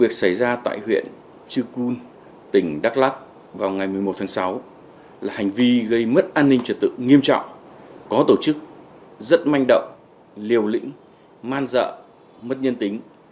bộ công an đánh giá vụ việc xảy ra tại huyện trư quỳnh tỉnh đắk lắc vào ngày một mươi một tháng sáu là hành vi gây mất an ninh trật tự nghiêm trọng có tổ chức rất manh động liều lĩnh man dợ mất nhân tính